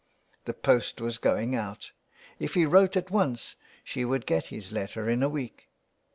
The post was going out: if he wrote at once she would get his letter in a week.